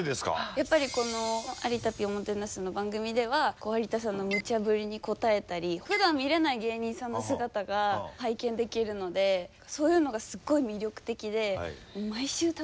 やっぱり「有田Ｐおもてなす」の番組では有田さんのムチャブリに応えたりふだん見れない芸人さんの姿が拝見できるのでそういうのがすっごい魅力的で毎週楽しみでホントに。